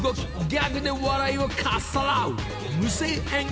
ギャグで笑いをかっさらう］